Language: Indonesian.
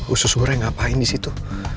usus guere ngapain di situ